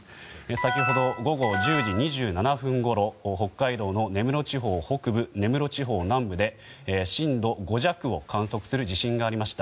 先ほど、午後１０時２７分ごろ北海道の根室地方北部、根室地方南部で震度５弱を観測する地震がありました。